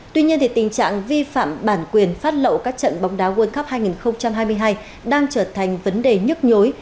tuy nhiên tình trạng vi phạm bản quyền phát lậu các trận bóng đá world cup hai nghìn hai mươi hai đang trở thành vấn đề nhức nhối